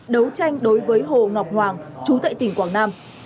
đấu tranh đối với hồ ngọc hoàng chú tại tỉnh quảng nam